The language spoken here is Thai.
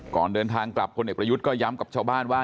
ก่อนเดินทางกลับพลเอกประยุทธ์ก็ย้ำกับชาวบ้านว่า